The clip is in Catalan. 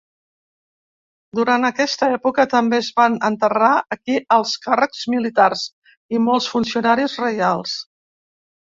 Durant aquesta època també es van enterrar aquí alts càrrecs militars i molts funcionaris reials.